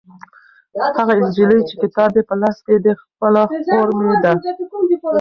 هغه نجلۍ چې کتاب یې په لاس کې دی خپله خور مې ده.